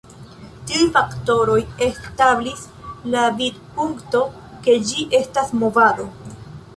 Tiuj faktoroj establis la vidpunkton ke ĝi estas "movado".